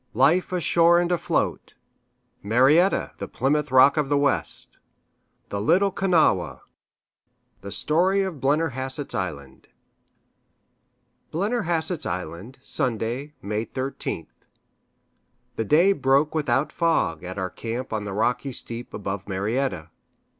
Life ashore and afloat Marietta, "the Plymouth Rock of the West" The Little Kanawha The story of Blennerhassett's Island. Blennerhassett's Island, Sunday, May 13th. The day broke without fog, at our camp on the rocky steep above Marietta.